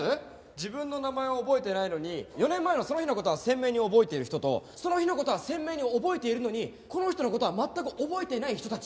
自分の名前は覚えてないのに４年前のその日の事は鮮明に覚えている人とその日の事は鮮明に覚えているのにこの人の事は全く覚えていない人たち。